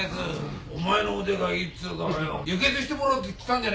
お前の腕がいいっつうからよ